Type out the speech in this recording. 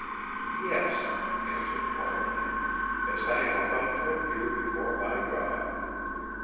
"Yes," answered Pauline, "as I am about to appear before my God!"